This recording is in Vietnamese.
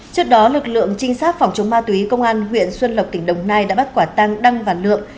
trước đó lực lượng trinh sát phòng chống ma túy công an huyện xuân lộc tỉnh đồng nai đã bắt quả tăng đăng và lượng